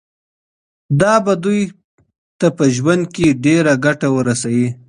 دا به دوی ته په ژوند کي ډیره ګټه ورسوي.